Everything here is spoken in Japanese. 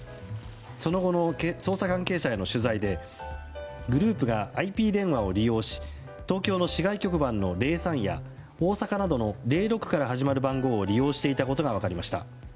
その後の捜査関係者への取材でグループがＩＰ電話を利用し東京の市外局番の０３や大阪などの０６から始まる電話番号を利用していたことが分かりました。